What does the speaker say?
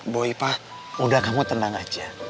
boy pak udah kamu tenang aja